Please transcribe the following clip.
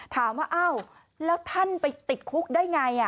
ถามว่าอ้าวแล้วท่านไปติดคุกได้ไง